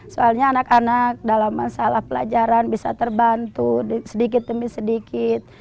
soalnya anak anak dalam masalah pelajaran bisa terbantu sedikit demi sedikit